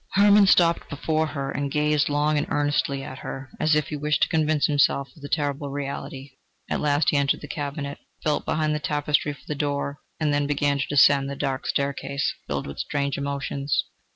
Hermann stopped before her, and gazed long and earnestly at her, as if he wished to convince himself of the terrible reality; at last he entered the cabinet, felt behind the tapestry for the door, and then began to descend the dark staircase, filled with strange emotions.